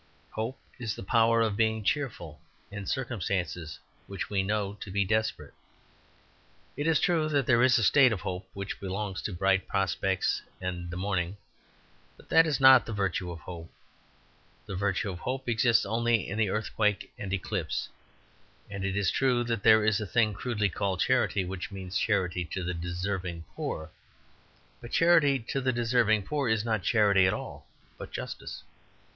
Hope is the power of being cheerful in circumstances which we know to be desperate. It is true that there is a state of hope which belongs to bright prospects and the morning; but that is not the virtue of hope. The virtue of hope exists only in earthquake and, eclipse. It is true that there is a thing crudely called charity, which means charity to the deserving poor; but charity to the deserving is not charity at all, but justice.